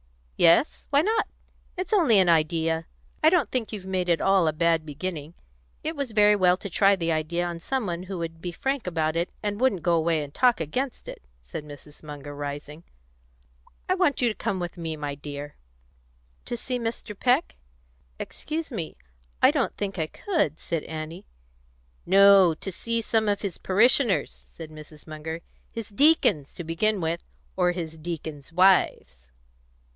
"Yes; why not? It's only an idea. I don't think you've made at all a bad beginning. It was very well to try the idea on some one who would be frank about it, and wouldn't go away and talk against it," said Mrs. Munger, rising. "I want you to come with me, my dear." "To see Mr. Peck? Excuse me. I don't think I could," said Annie. "No; to see some of his parishioners," said Mrs. Munger. "His deacons, to begin with, or his deacons' wives."